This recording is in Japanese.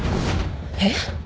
えっ！？